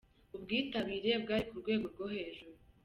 Ubwitabire bwari ku rwego rwo hejuru.